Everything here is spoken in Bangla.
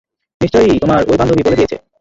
নিশ্চয়ই তোমার ওই বান্ধবী বলে দিয়েছে।